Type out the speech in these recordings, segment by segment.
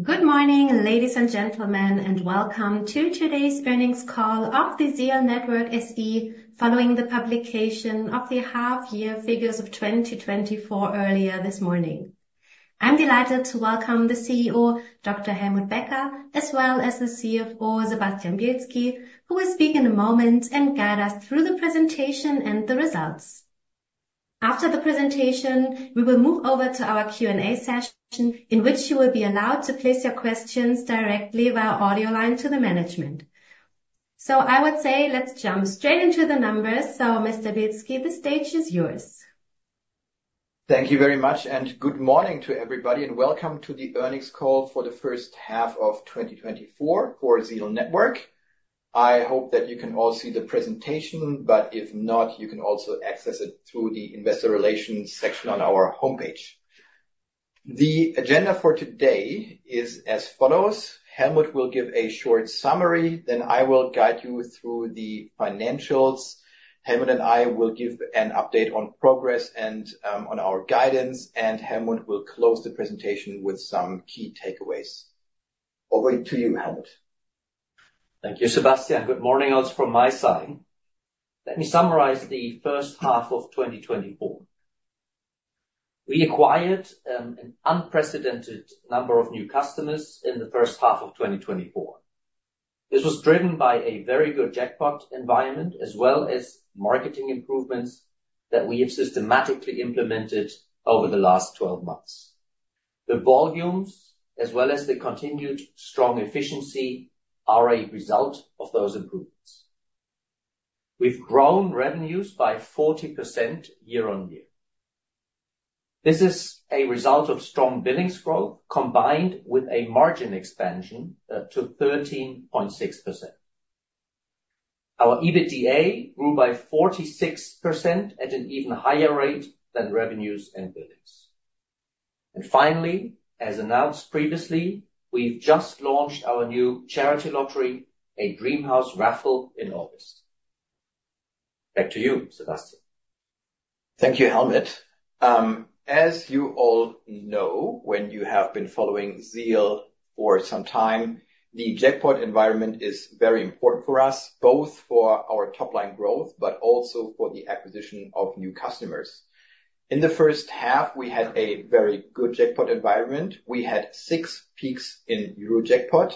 Good morning, ladies and gentlemen, and welcome to today's earnings call of the ZEAL Network SE, following the publication of the half-year figures of 2024 earlier this morning. I'm delighted to welcome the CEO, Dr. Helmut Becker, as well as the CFO, Sebastian Bielski, who will speak in a moment and guide us through the presentation and the results. After the presentation, we will move over to our Q&A session, in which you will be allowed to place your questions directly via audio line to the management. So I would say, let's jump straight into the numbers. So Mr. Bielski, the stage is yours. Thank you very much, and good morning to everybody, and welcome to the earnings call for the first half of 2024 for ZEAL Network. I hope that you can all see the presentation, but if not, you can also access it through the Investor Relations section on our homepage. The agenda for today is as follows: Helmut will give a short summary, then I will guide you through the financials. Helmut and I will give an update on progress and on our guidance, and Helmut will close the presentation with some key takeaways. Over to you, Helmut. Thank you, Sebastian. Good morning, also from my side. Let me summarize the first half of 2024. We acquired an unprecedented number of new customers in the first half of 2024. This was driven by a very good jackpot environment, as well as marketing improvements that we have systematically implemented over the last 12 months. The volumes, as well as the continued strong efficiency, are a result of those improvements. We've grown revenues by 40% year-on-year. This is a result of strong billings growth, combined with a margin expansion to 13.6%. Our EBITDA grew by 46% at an even higher rate than revenues and billings. And finally, as announced previously, we've just launched our new charity lottery, a dream house raffle, in August. Back to you, Sebastian. Thank you, Helmut. As you all know, when you have been following ZEAL for some time, the jackpot environment is very important for us, both for our top line growth, but also for the acquisition of new customers. In the first half, we had a very good jackpot environment. We had six peaks in Eurojackpot,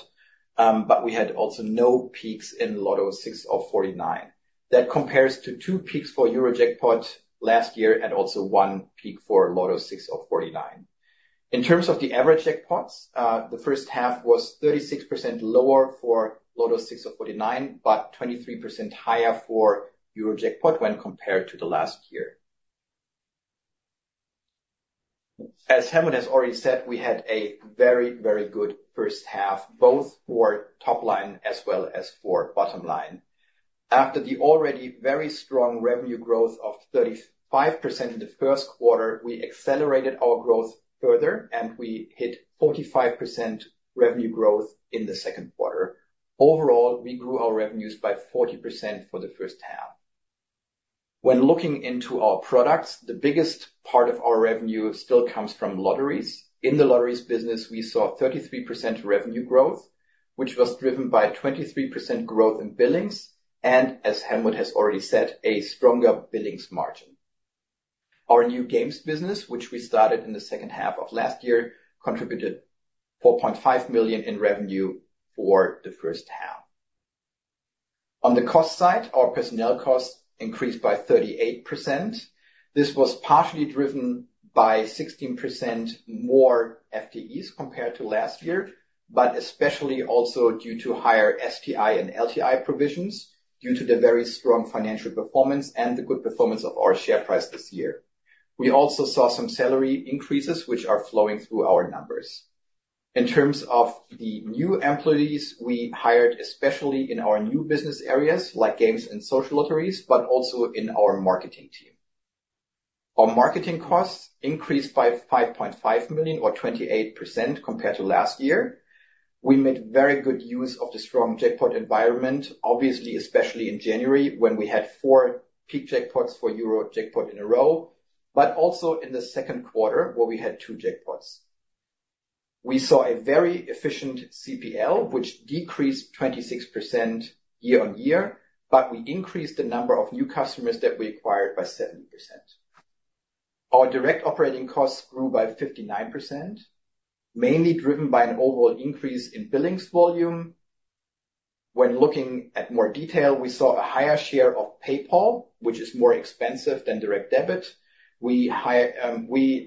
but we had also no peaks in Lotto six out of 49. That compares to two peaks for Eurojackpot last year, and also one peak for Lotto six out of 49. In terms of the average jackpots, the first half was 36% lower for Lotto six out of 49, but 23% higher for Eurojackpot when compared to the last year. As Helmut has already said, we had a very, very good first half, both for top line as well as for bottom line. After the already very strong revenue growth of 35% in the first quarter, we accelerated our growth further, and we hit 45% revenue growth in the second quarter. Overall, we grew our revenues by 40% for the first half. When looking into our products, the biggest part of our revenue still comes from lotteries. In the lotteries business, we saw 33% revenue growth, which was driven by a 23% growth in billings, and as Helmut has already said, a stronger billings margin. Our new games business, which we started in the second half of last year, contributed 4.5 million in revenue for the first half. On the cost side, our personnel costs increased by 38%. This was partially driven by 16% more FTEs compared to last year, but especially also due to higher STI and LTI provisions, due to the very strong financial performance and the good performance of our share price this year. We also saw some salary increases, which are flowing through our numbers. In terms of the new employees we hired, especially in our new business areas, like games and social lotteries, but also in our marketing team. Our marketing costs increased by 5.5 million or 28% compared to last year. We made very good use of the strong jackpot environment, obviously, especially in January, when we had 4 peak jackpots for Eurojackpot in a row, but also in the second quarter, where we had 2 jackpots. We saw a very efficient CPL, which decreased 26% year-on-year, but we increased the number of new customers that we acquired by 70%. Our direct operating costs grew by 59%, mainly driven by an overall increase in billings volume. When looking at more detail, we saw a higher share of PayPal, which is more expensive than direct debit. We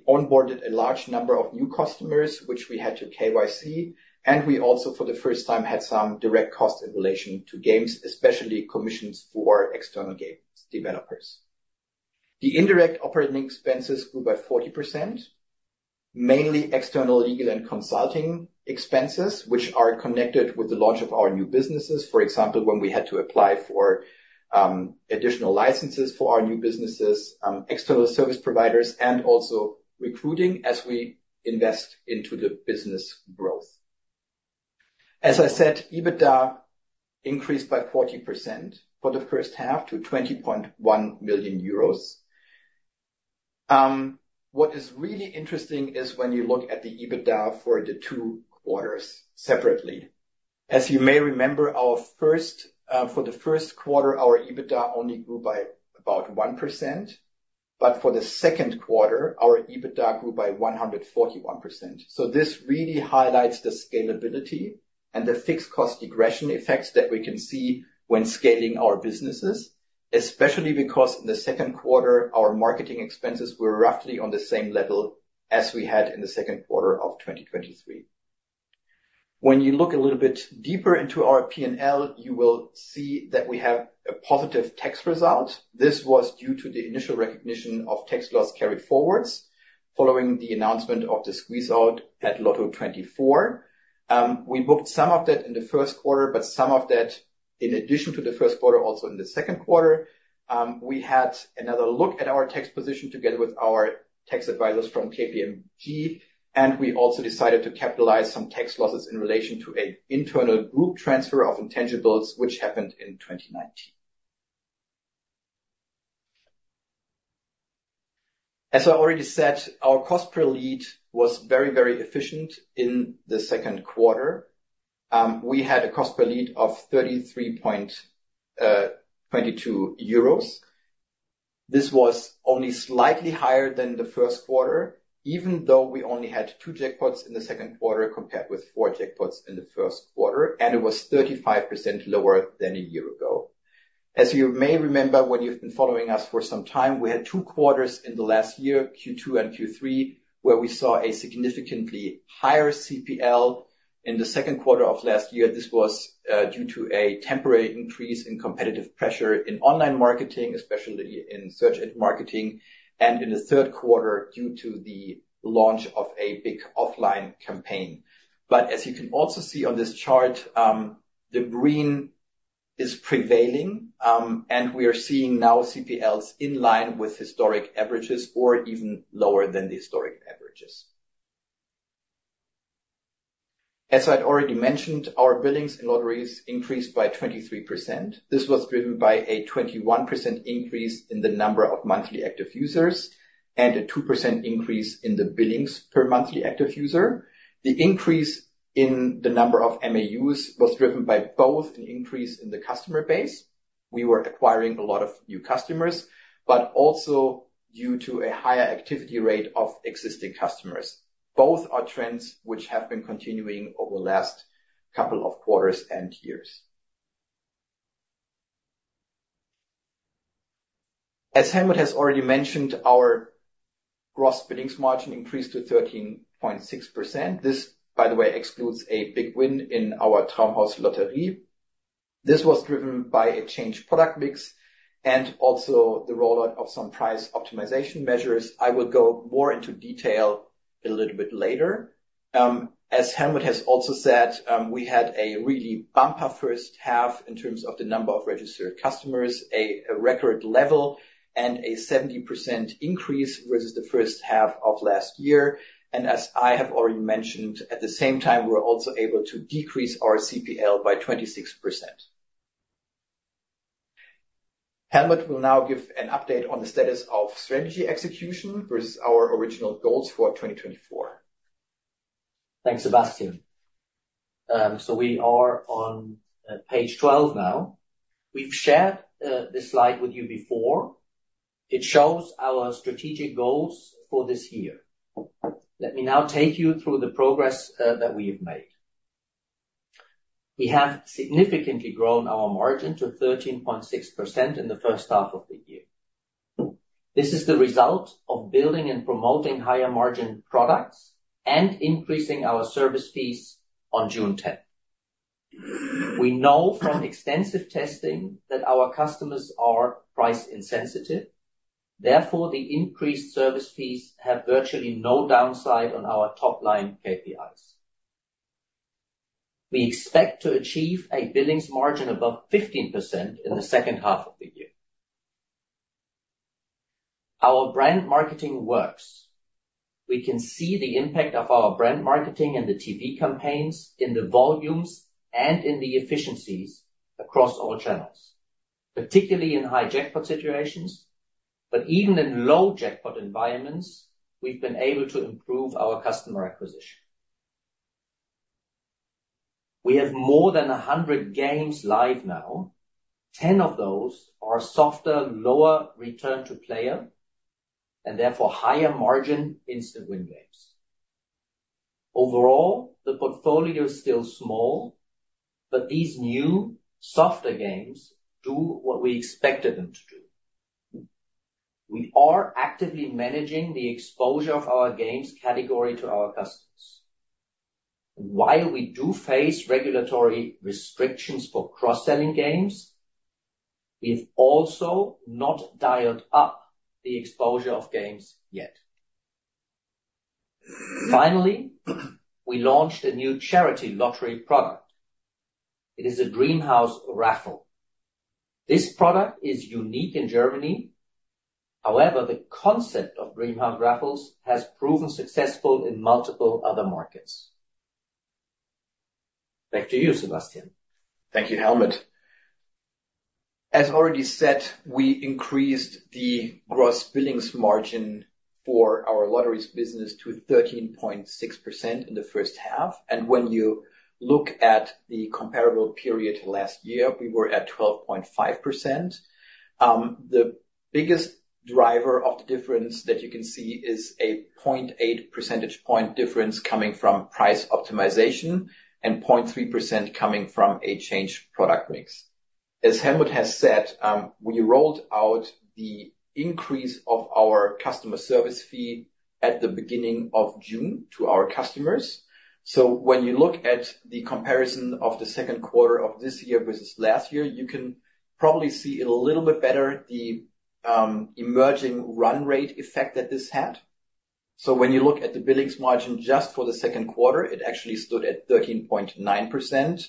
onboarded a large number of new customers, which we had to KYC, and we also, for the first time, had some direct costs in relation to games, especially commissions for external games developers. The indirect operating expenses grew by 40%, mainly external, legal, and consulting expenses, which are connected with the launch of our new businesses. For example, when we had to apply for additional licenses for our new businesses, external service providers, and also recruiting as we invest into the business growth. As I said, EBITDA increased by 40% for the first half to 20.1 million euros. What is really interesting is when you look at the EBITDA for the two quarters separately. As you may remember, our first, for the first quarter, our EBITDA only grew by about 1%, but for the second quarter, our EBITDA grew by 141%. So this really highlights the scalability and the fixed cost regression effects that we can see when scaling our businesses, especially because in the second quarter, our marketing expenses were roughly on the same level as we had in the second quarter of 2023. When you look a little bit deeper into our P&L, you will see that we have a positive tax result. This was due to the initial recognition of tax loss carried forwards, following the announcement of the squeeze-out at Lotto24. We booked some of that in the first quarter, but some of that in addition to the first quarter, also in the second quarter. We had another look at our tax position together with our tax advisors from KPMG, and we also decided to capitalize some tax losses in relation to an internal group transfer of intangibles, which happened in 2019. As I already said, our cost per lead was very, very efficient in the second quarter. We had a cost per lead of 33.22 euros. This was only slightly higher than the first quarter, even though we only had two jackpots in the second quarter, compared with four jackpots in the first quarter, and it was 35% lower than a year ago. As you may remember, when you've been following us for some time, we had two quarters in the last year, Q2 and Q3, where we saw a significantly higher CPL. In the second quarter of last year, this was due to a temporary increase in competitive pressure in online marketing, especially in search and marketing, and in the third quarter, due to the launch of a big offline campaign. But as you can also see on this chart, the green is prevailing, and we are seeing now CPLs in line with historic averages or even lower than the historic averages. As I'd already mentioned, our billings in lotteries increased by 23%. This was driven by a 21% increase in the number of monthly active users and a 2% increase in the billings per monthly active user. The increase in the number of MAUs was driven by both an increase in the customer base. We were acquiring a lot of new customers, but also due to a higher activity rate of existing customers. Both are trends which have been continuing over the last couple of quarters and years. As Helmut has already mentioned, our gross billings margin increased to 13.6%. This, by the way, excludes a big win in our Traumhauslotterie. This was driven by a change in product mix and also the rollout of some price optimization measures. I will go more into detail a little bit later. As Helmut has also said, we had a really bumper first half in terms of the number of registered customers, a record level and a 70% increase versus the first half of last year, and as I have already mentioned, at the same time, we were also able to decrease our CPL by 26%. Helmut will now give an update on the status of strategy execution versus our original goals for 2024. Thanks, Sebastian. So we are on page 12 now. We've shared this slide with you before. It shows our strategic goals for this year. Let me now take you through the progress that we have made. We have significantly grown our margin to 13.6% in the first half of the year. This is the result of building and promoting higher margin products and increasing our service fees on June tenth. We know from extensive testing that our customers are price insensitive, therefore, the increased service fees have virtually no downside on our top-line KPIs. We expect to achieve a billings margin above 15% in the second half of the year. Our brand marketing works. We can see the impact of our brand marketing and the TV campaigns in the volumes and in the efficiencies across all channels, particularly in high jackpot situations. But even in low jackpot environments, we've been able to improve our customer acquisition. We have more than 100 games live now. 10 of those are softer, lower Return to Player, and therefore, higher margin instant win games. Overall, the portfolio is still small, but these new softer games do what we expected them to do. We are actively managing the exposure of our games category to our customers. While we do face regulatory restrictions for cross-selling games, we've also not dialed up the exposure of games yet. Finally, we launched a new charity lottery product. It is a Dream House Raffle. This product is unique in Germany. However, the concept of Dream House Raffles has proven successful in multiple other markets. Back to you, Sebastian. Thank you, Helmut. As already said, we increased the gross billings margin for our lotteries business to 13.6% in the first half, and when you look at the comparable period last year, we were at 12.5%. The biggest driver of the difference that you can see is a 0.8 percentage point difference coming from price optimization and 0.3% coming from a change product mix. As Helmut has said, we rolled out the increase of our customer service fee at the beginning of June to our customers. So when you look at the comparison of the second quarter of this year versus last year, you can probably see it a little bit better, the emerging run rate effect that this had. So when you look at the billings margin, just for the second quarter, it actually stood at 13.9%,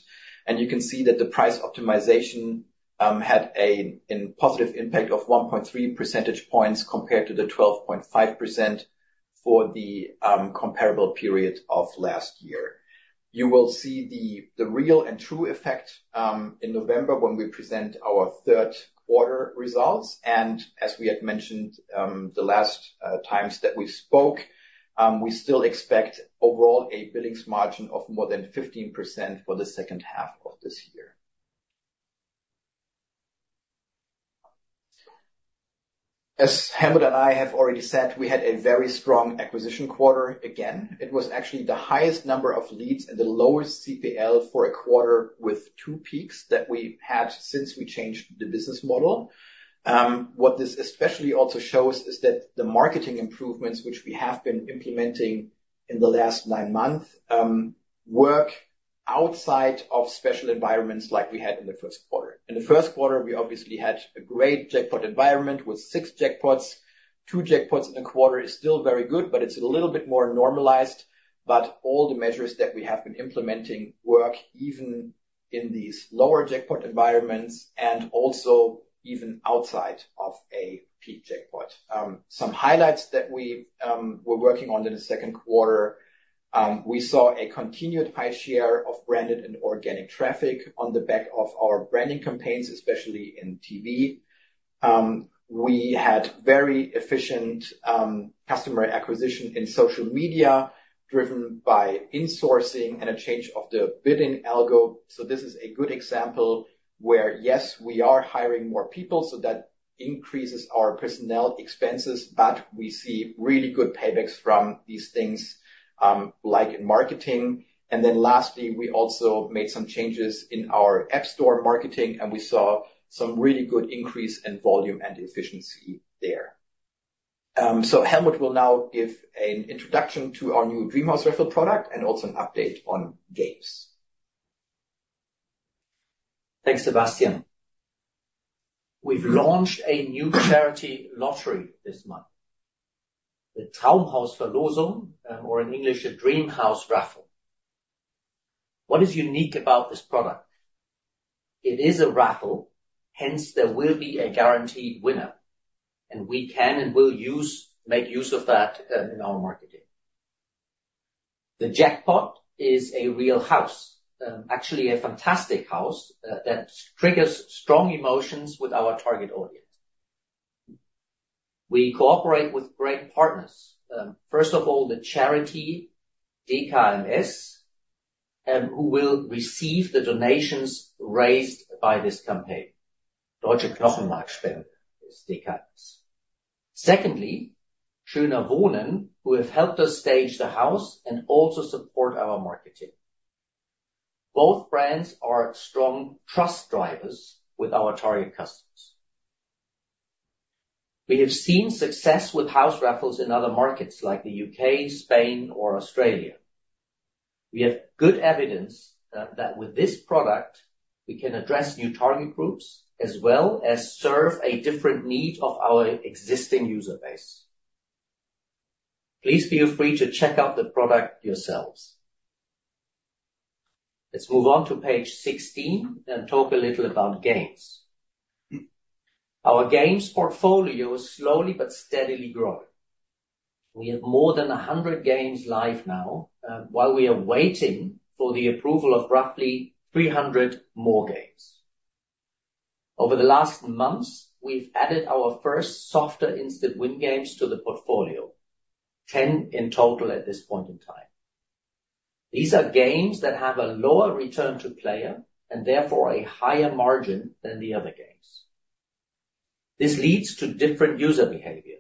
and you can see that the price optimization had a positive impact of 1.3 percentage points compared to the 12.5% for the comparable period of last year. You will see the real and true effect in November when we present our third quarter results. And as we had mentioned the last times that we spoke, we still expect overall a billings margin of more than 15% for the second half of this year. As Helmut and I have already said, we had a very strong acquisition quarter again. It was actually the highest number of leads and the lowest CPL for a quarter with two peaks that we've had since we changed the business model. What this especially also shows is that the marketing improvements which we have been implementing in the last nine months work outside of special environments like we had in the first quarter. In the first quarter, we obviously had a great jackpot environment with six jackpots. Two jackpots in a quarter is still very good, but it's a little bit more normalized. But all the measures that we have been implementing work even in these lower jackpot environments and also even outside of a peak jackpot. Some highlights that we were working on in the second quarter. We saw a continued high share of branded and organic traffic on the back of our branding campaigns, especially in TV. We had very efficient customer acquisition in social media, driven by insourcing and a change of the bidding algo. So this is a good example where, yes, we are hiring more people, so that increases our personnel expenses, but we see really good paybacks from these things, like in marketing. And then lastly, we also made some changes in our App Store marketing, and we saw some really good increase in volume and efficiency there. So Helmut will now give an introduction to our new Dream House Raffle product and also an update on games. Thanks, Sebastian. We've launched a new charity lottery this month, the Traumhausverlosung, or in English, a Dream House Raffle. What is unique about this product? It is a raffle, hence, there will be a guaranteed winner, and we can and will make use of that, in our marketing. The jackpot is a real house, actually a fantastic house, that triggers strong emotions with our target audience. We cooperate with great partners. First of all, the charity DKMS, who will receive the donations raised by this campaign. Deutsche Knochenmarkspender is DKMS. Secondly, Schöner Wohnen, who have helped us stage the house and also support our marketing. Both brands are strong trust drivers with our target customers. We have seen success with house raffles in other markets like the UK, Spain, or Australia. We have good evidence that with this product, we can address new target groups as well as serve a different need of our existing user base. Please feel free to check out the product yourselves. Let's move on to page 16 and talk a little about games. Our games portfolio is slowly but steadily growing. We have more than 100 games live now, while we are waiting for the approval of roughly 300 more games. Over the last months, we've added our first softer instant win games to the portfolio, 10 in total at this point in time. These are games that have a lower Return to Player and therefore a higher margin than the other games. This leads to different user behavior.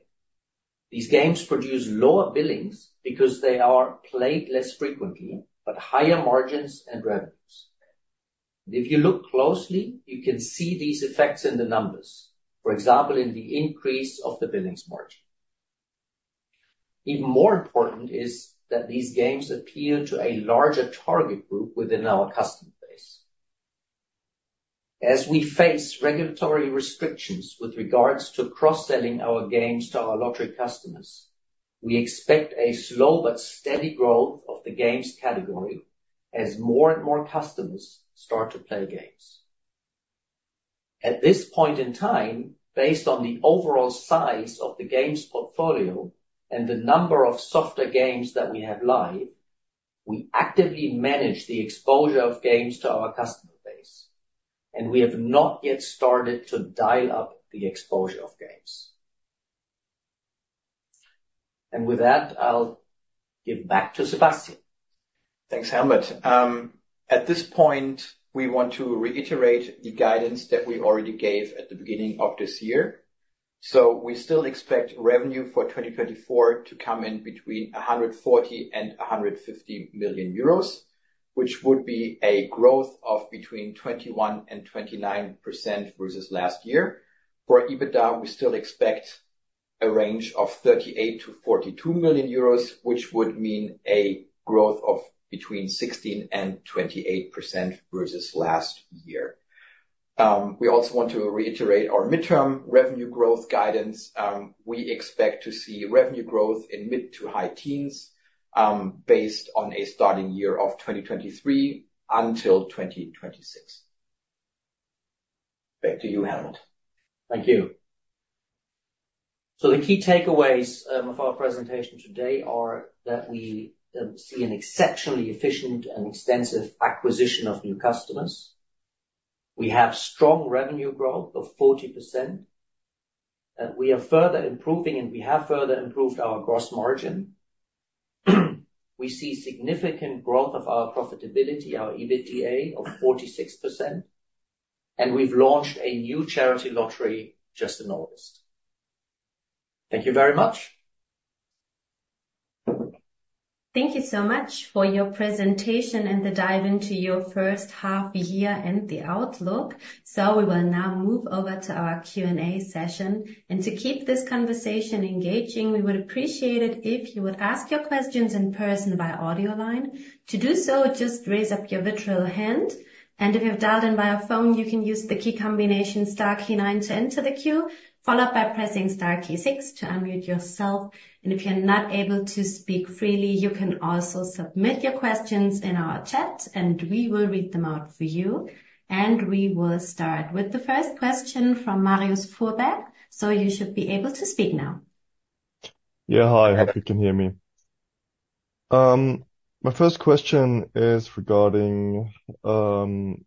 These games produce lower billings because they are played less frequently, but higher margins and revenues. If you look closely, you can see these effects in the numbers, for example, in the increase of the billings margin. Even more important is that these games appeal to a larger target group within our customer base. As we face regulatory restrictions with regards to cross-selling our games to our lottery customers. We expect a slow but steady growth of the games category as more and more customers start to play games. At this point in time, based on the overall size of the games portfolio and the number of softer games that we have live, we actively manage the exposure of games to our customer base, and we have not yet started to dial up the exposure of games. With that, I'll give back to Sebastian. Thanks, Helmut. At this point, we want to reiterate the guidance that we already gave at the beginning of this year. So we still expect revenue for 2024 to come in between 140 million and 150 million euros, which would be a growth of between 21% and 29% versus last year. For EBITDA, we still expect a range of 38 million-42 million euros, which would mean a growth of between 16% and 28% versus last year. We also want to reiterate our midterm revenue growth guidance. We expect to see revenue growth in mid to high teens, based on a starting year of 2023 until 2026. Back to you, Helmut. Thank you. So the key takeaways of our presentation today are that we see an exceptionally efficient and extensive acquisition of new customers. We have strong revenue growth of 40%, and we are further improving, and we have further improved our gross margin. We see significant growth of our profitability, our EBITDA, of 46%, and we've launched a new charity lottery just in August. Thank you very much. Thank you so much for your presentation and the dive into your first half year and the outlook. We will now move over to our Q&A session. To keep this conversation engaging, we would appreciate it if you would ask your questions in person by audio line. To do so, just raise up your virtual hand, and if you've dialed in via phone, you can use the key combination star key nine to enter the queue, followed by pressing star key six to unmute yourself. If you're not able to speak freely, you can also submit your questions in our chat, and we will read them out for you. We will start with the first question from Marius Fuhrberg. You should be able to speak now. Yeah. Hi, hope you can hear me. My first question is regarding the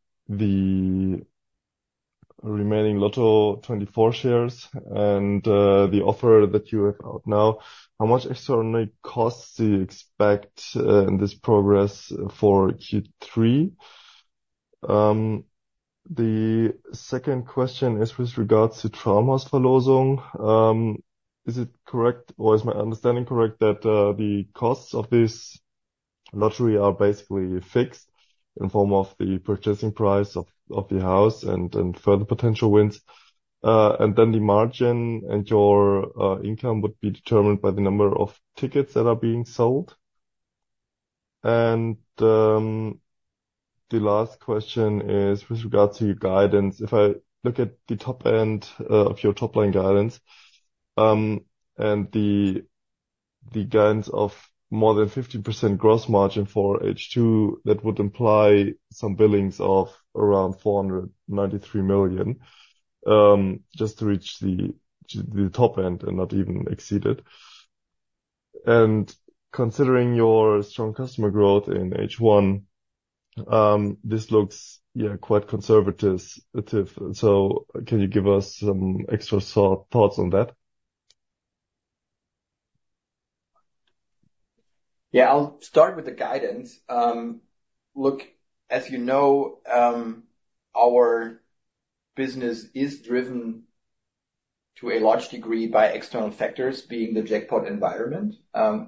remaining Lotto24 shares and the offer that you have out now. How much extraordinary costs do you expect in this process for Q3? The second question is with regards to Traumhausverlosung. Is it correct, or is my understanding correct, that the costs of this lottery are basically fixed in form of the purchasing price of the house and further potential wins, and then the margin and your income would be determined by the number of tickets that are being sold? The last question is with regards to your guidance. If I look at the top end of your top line guidance and the guidance of more than 50% gross margin for H2, that would imply some billings of around 493 million just to reach the top end and not even exceed it. And considering your strong customer growth in H1, this looks, yeah, quite conservative. So can you give us some extra thoughts on that? Yeah, I'll start with the guidance. Look, as you know, our business is driven to a large degree by external factors, being the jackpot environment.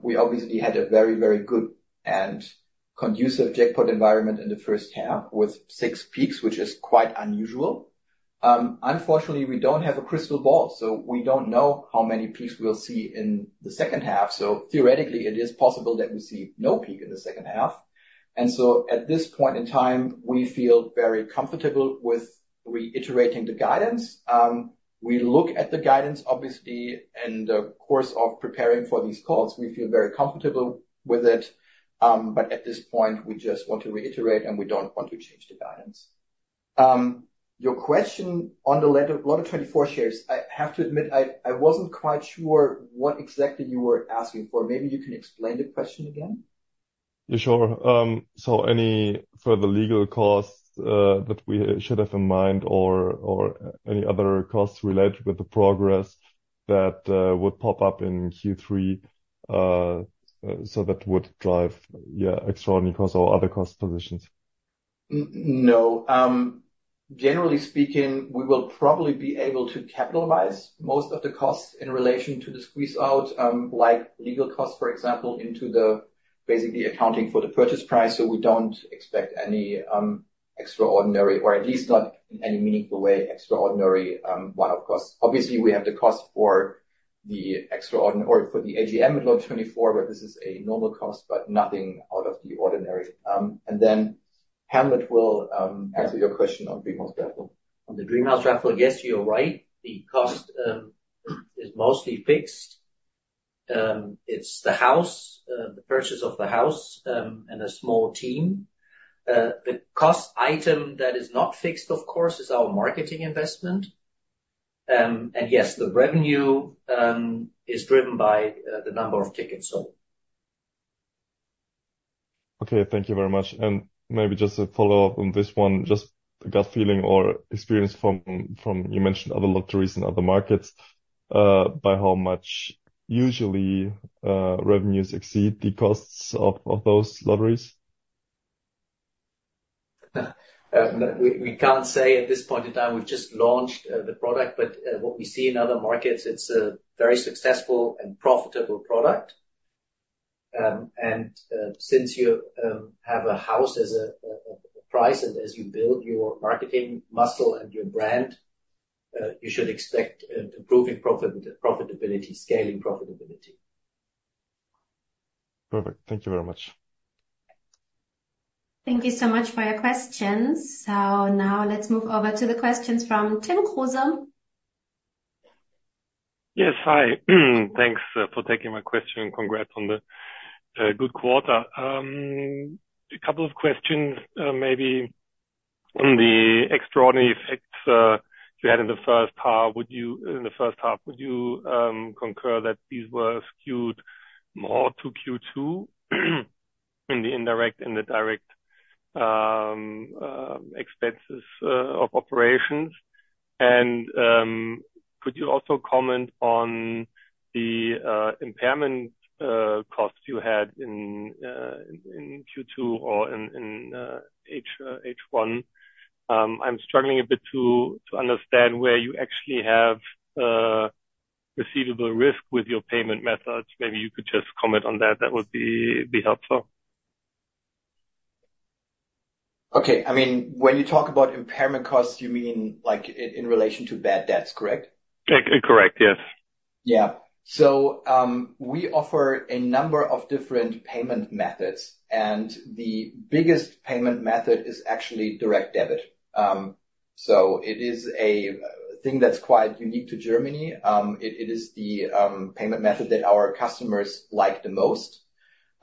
We obviously had a very, very good and conducive jackpot environment in the first half with six peaks, which is quite unusual. Unfortunately, we don't have a crystal ball, so we don't know how many peaks we'll see in the second half. So theoretically, it is possible that we see no peak in the second half, and so at this point in time, we feel very comfortable with reiterating the guidance. We look at the guidance, obviously, in the course of preparing for these calls, we feel very comfortable with it. But at this point, we just want to reiterate, and we don't want to change the guidance. Your question on the Lotto24 shares, I have to admit, I wasn't quite sure what exactly you were asking for. Maybe you can explain the question again. Yeah, sure. So any further legal costs that we should have in mind or any other costs related with the progress that would pop up in Q3, so that would drive, yeah, extraordinary costs or other cost positions? No. Generally speaking, we will probably be able to capitalize most of the costs in relation to the squeeze-out, like legal costs, for example, into the basically accounting for the purchase price. So we don't expect any extraordinary or at least not in any meaningful way, extraordinary one-off costs. Obviously, we have the cost for the extraordinary or for the AGM in Lotto24, but this is a normal cost, but nothing out of the ordinary. And then-... Helmut will answer your question on Dream House Raffle. On the Dream House Raffle, yes, you're right. The cost is mostly fixed. It's the house, the purchase of the house, and a small team. The cost item that is not fixed, of course, is our marketing investment. And yes, the revenue is driven by the number of tickets sold. Okay, thank you very much. And maybe just a follow-up on this one, just a gut feeling or experience from you mentioned other lotteries in other markets, by how much usually revenues exceed the costs of those lotteries? We can't say at this point in time, we've just launched the product, but what we see in other markets, it's a very successful and profitable product. And since you have a house as a prize, and as you build your marketing muscle and your brand, you should expect improving profitability, scaling profitability. Perfect. Thank you very much. Thank you so much for your questions. So now let's move over to the questions from Tim Kruse. Yes. Hi. Thanks for taking my question, and congrats on the good quarter. A couple of questions. Maybe on the extraordinary effects you had in the first half, would you concur that these were skewed more to Q2, in the indirect and the direct expenses of operations? And could you also comment on the impairment costs you had in Q2 or in H1? I'm struggling a bit to understand where you actually have receivable risk with your payment methods. Maybe you could just comment on that. That would be helpful. Okay. I mean, when you talk about impairment costs, you mean like in relation to bad debts, correct? Correct, yes. Yeah. So, we offer a number of different payment methods, and the biggest payment method is actually direct debit. So it is a thing that's quite unique to Germany. It is the payment method that our customers like the most.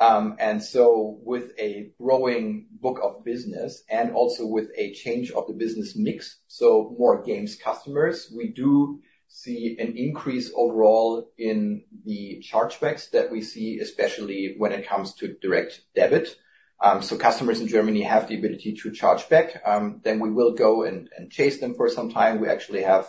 And so with a growing book of business and also with a change of the business mix, so more games customers, we do see an increase overall in the chargebacks that we see, especially when it comes to direct debit. So customers in Germany have the ability to charge back, then we will go and chase them for some time. We actually have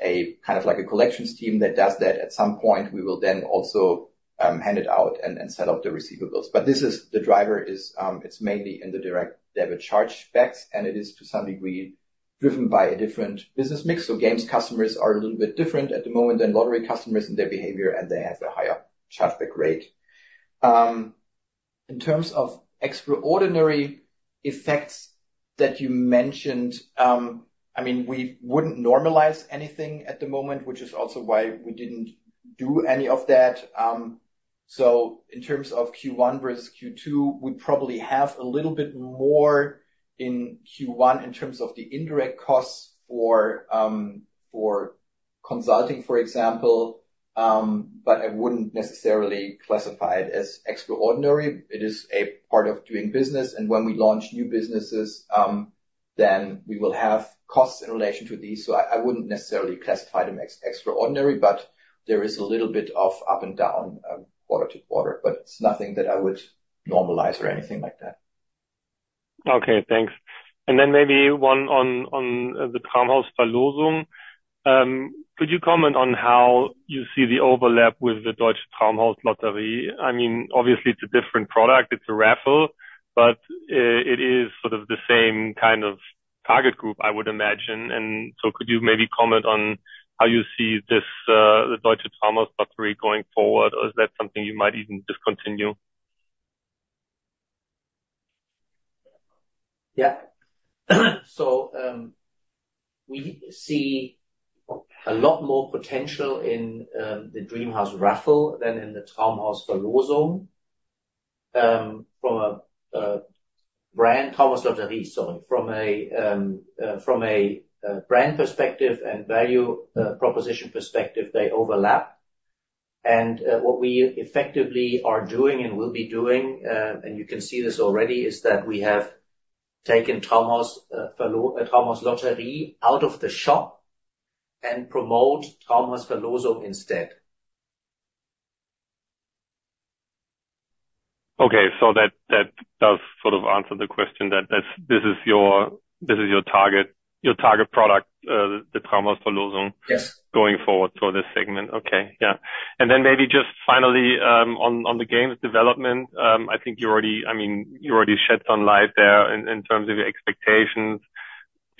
a kind of like a collections team that does that. At some point, we will then also hand it out and set up the receivables. But the driver is, it's mainly in the direct debit chargebacks, and it is to some degree, driven by a different business mix. So games customers are a little bit different at the moment than lottery customers and their behavior, and they have a higher chargeback rate. In terms of extraordinary effects that you mentioned, I mean, we wouldn't normalize anything at the moment, which is also why we didn't do any of that. So in terms of Q1 versus Q2, we probably have a little bit more in Q1 in terms of the indirect costs for consulting, for example, but I wouldn't necessarily classify it as extraordinary. It is a part of doing business, and when we launch new businesses, then we will have costs in relation to these. So I wouldn't necessarily classify them as extraordinary, but there is a little bit of up and down, quarter to quarter, but it's nothing that I would normalize or anything like that. Okay, thanks. And then maybe one on the Traumhausverlosung. Could you comment on how you see the overlap with the Deutsche Traumhauslotterie? I mean, obviously, it's a different product, it's a raffle, but it is sort of the same kind of target group I would imagine. And so could you maybe comment on how you see this, the Deutsche Traumhauslotterie going forward? Or is that something you might even discontinue? Yeah. So, we see a lot more potential in the Dream House Raffle than in the Traumhausverlosung. From a brand perspective and value proposition perspective, they overlap. And what we effectively are doing and will be doing, and you can see this already, is that we have taken Traumhauslotterie out of the shop and promote Traumhausverlosung instead. Okay. So that does sort of answer the question, that this is your target product, the Traumhausverlosung- Yes. -going forward for this segment. Okay. Yeah. And then maybe just finally, on the games development, I think you already, I mean, you already shed some light there in terms of your expectations.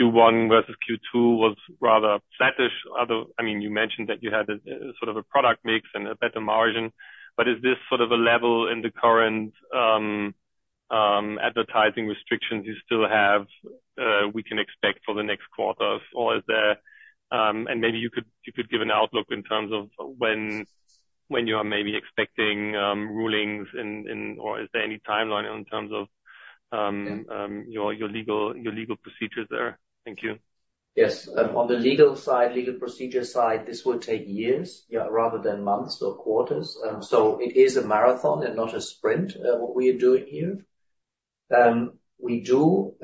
Q1 versus Q2 was rather flattish, although, I mean, you mentioned that you had a sort of a product mix and a better margin, but is this sort of a level in the current advertising restrictions you still have, we can expect for the next quarters? Or is there, and maybe you could give an outlook in terms of when you are maybe expecting rulings in, or is there any timeline in terms of your legal procedures there? Thank you. Yes. On the legal side, legal procedure side, this will take years, yeah, rather than months or quarters. So it is a marathon and not a sprint, what we are doing here. We do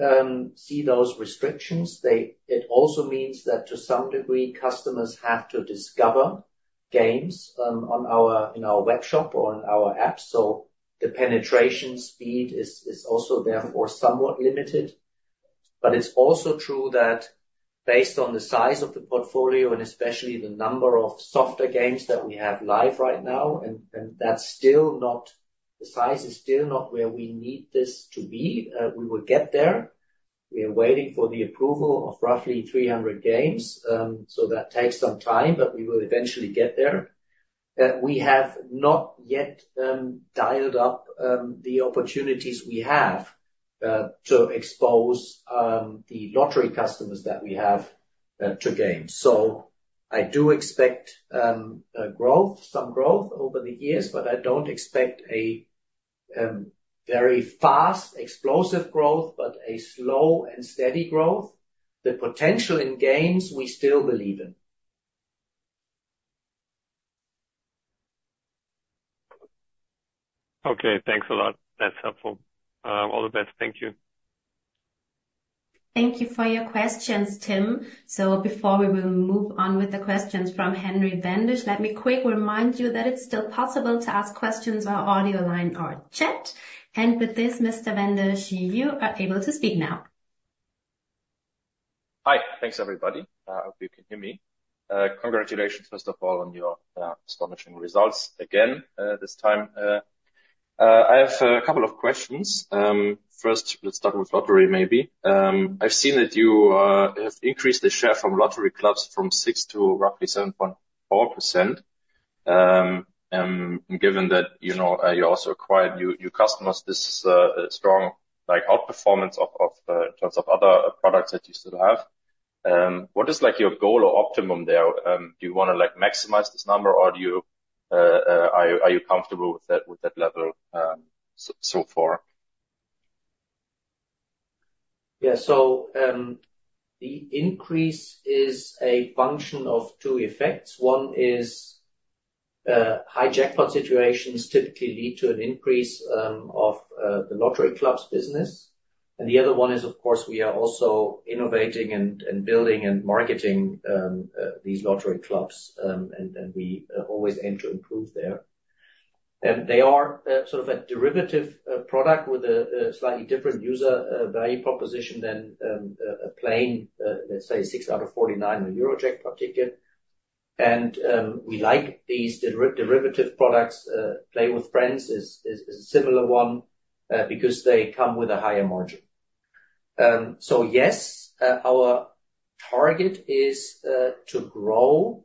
see those restrictions. It also means that to some degree, customers have to discover games, on our, in our web shop or on our app. So the penetration speed is also therefore somewhat limited. But it's also true that based on the size of the portfolio, and especially the number of softer games that we have live right now, and the size is still not where we need this to be. We will get there. We are waiting for the approval of roughly 300 games, so that takes some time, but we will eventually get there. We have not yet dialed up the opportunities we have to expose the lottery customers that we have to gaming. So I do expect growth, some growth over the years, but I don't expect a very fast, explosive growth, but a slow and steady growth. The potential in games, we still believe in. Okay, thanks a lot. That's helpful. All the best. Thank you. Thank you for your questions, Tim. Before we will move on with the questions from Henry Wendisch, let me quick remind you that it's still possible to ask questions on audio line or chat. With this, Mr. Wendisch, you are able to speak now. Hi. Thanks, everybody. I hope you can hear me. Congratulations, first of all, on your astonishing results again this time. I have a couple of questions. First, let's start with lottery, maybe. I've seen that you have increased the share from lottery clubs from 6 to roughly 7.4%. And given that, you know, you also acquired new customers, this strong, like, outperformance of in terms of other products that you still have, what is like your goal or optimum there? Do you want to, like, maximize this number, or are you comfortable with that, with that level so far? Yeah. So, the increase is a function of two effects. One is, high jackpot situations typically lead to an increase of the lottery clubs business, and the other one is, of course, we are also innovating and building and marketing these lottery clubs, and we always aim to improve there. And they are sort of a derivative product with a slightly different user value proposition than a plain, let's say, 6 out of 49 Eurojackpot ticket. And, we like these derivative products. Play with Friends is a similar one, because they come with a higher margin. So yes, our target is to grow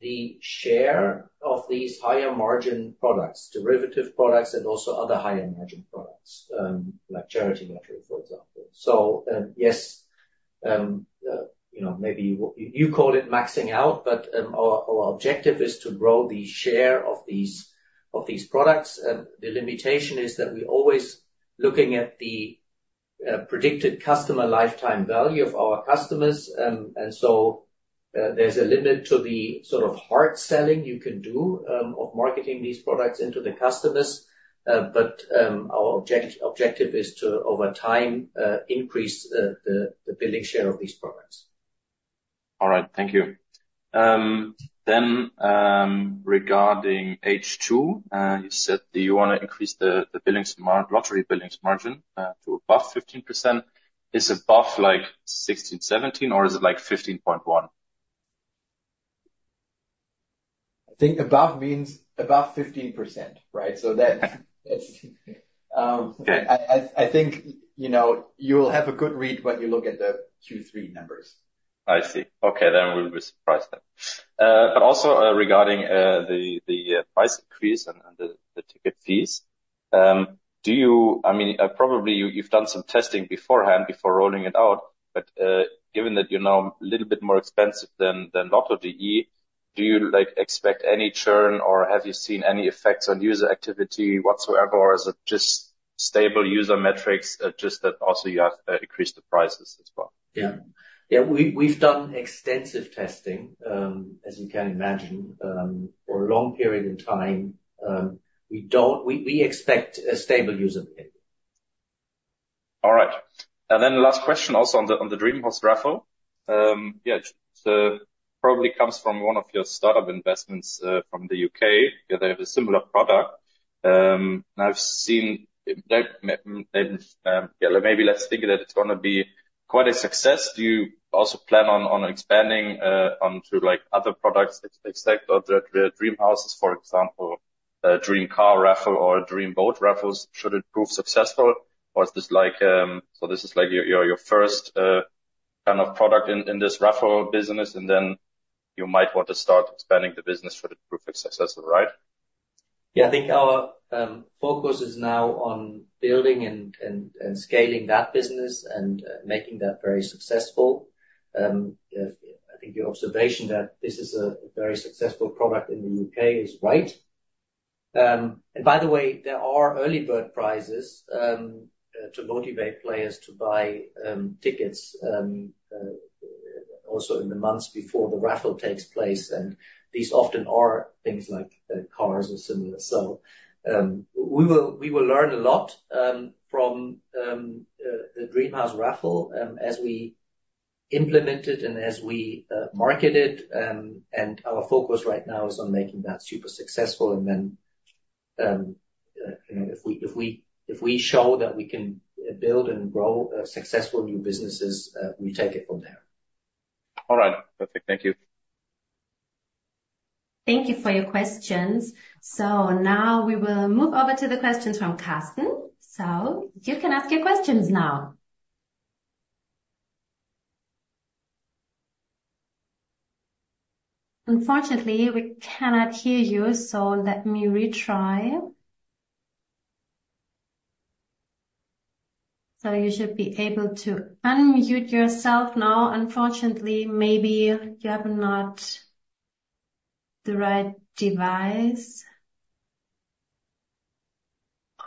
the share of these higher margin products, derivative products, and also other higher margin products, like charity lottery, for example. So, yes, you know, maybe you call it maxing out, but our objective is to grow the share of these products. The limitation is that we're always looking at the predicted customer lifetime value of our customers. So, there's a limit to the sort of hard selling you can do of marketing these products into the customers. But our objective is to, over time, increase the billing share of these products. All right. Thank you. Then, regarding H2, you said that you wanna increase the lottery billings margin to above 15%. Is above, like, 16, 17, or is it, like, 15.1? I think above means above 15%, right? So that's- Okay. I think, you know, you'll have a good read when you look at the Q3 numbers. I see. Okay, then we'll be surprised then. But also, regarding the price increase and the ticket fees, do you... I mean, probably you've done some testing beforehand before rolling it out, but, given that you're now a little bit more expensive than lotto.de, do you, like, expect any churn, or have you seen any effects on user activity whatsoever? Or is it just stable user metrics, just that also you have increased the prices as well? Yeah. Yeah, we've done extensive testing, as you can imagine, for a long period in time. We expect a stable user behavior. All right. Then the last question also on the Dream House raffle. Probably comes from one of your startup investments from the UK. Yeah, they have a similar product, and I've seen that maybe let's think that it's gonna be quite a success. Do you also plan on expanding onto like other products that expect or the Dream Houses, for example, dream car raffle or dream boat raffles, should it prove successful? Or is this like so this is like your first kind of product in this raffle business, and then you might want to start expanding the business should it prove successful, right?... Yeah, I think our focus is now on building and scaling that business and making that very successful. I think your observation that this is a very successful product in the U.K. is right. And by the way, there are early bird prizes to motivate players to buy tickets also in the months before the raffle takes place, and these often are things like cars or similar. So, we will learn a lot from the Dream House raffle as we implement it and as we market it. And our focus right now is on making that super successful, and then, you know, if we show that we can build and grow successful new businesses, we take it from there. All right. Perfect. Thank you. Thank you for your questions. So now we will move over to the questions from Carsten. So you can ask your questions now. Unfortunately, we cannot hear you, so let me retry. So you should be able to unmute yourself now. Unfortunately, maybe you have not the right device.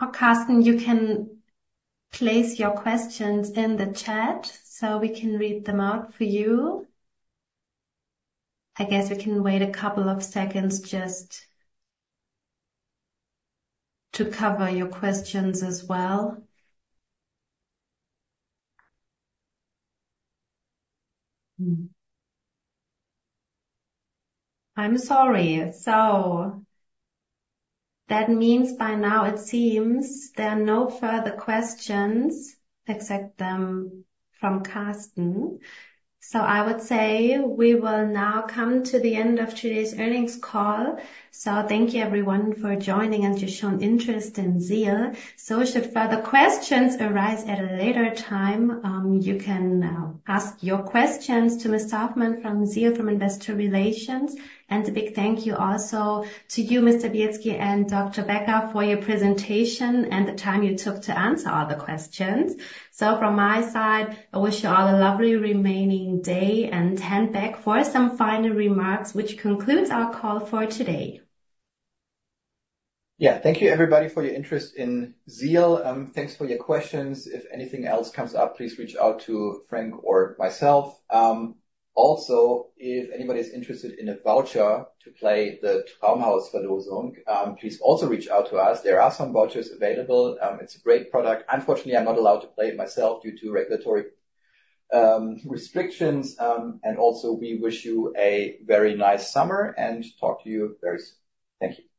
Or, Carsten, you can place your questions in the chat so we can read them out for you. I guess we can wait a couple of seconds just to cover your questions as well. I'm sorry. So that means by now it seems there are no further questions except them from Carsten. So I would say we will now come to the end of today's earnings call. So thank you, everyone, for joining and your shown interest in ZEAL. So should further questions arise at a later time, you can ask your questions to Mr. Hoffmann from ZEAL, from Investor Relations. And a big thank you also to you, Mr. Bielski and Dr. Becker, for your presentation and the time you took to answer all the questions. So from my side, I wish you all a lovely remaining day and hand back for some final remarks, which concludes our call for today. Yeah. Thank you, everybody, for your interest in ZEAL. Thanks for your questions. If anything else comes up, please reach out to Frank or myself. Also, if anybody is interested in a voucher to play the Traumhausverlosung, please also reach out to us. There are some vouchers available. It's a great product. Unfortunately, I'm not allowed to play it myself due to regulatory restrictions. And also, we wish you a very nice summer, and talk to you very soon. Thank you.